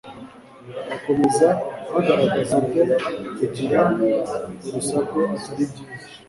Bakomeza bagaragaza ko kugira urusaku Atari byiza